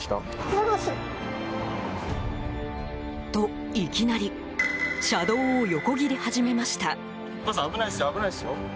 と、いきなり車道を横切り始めました。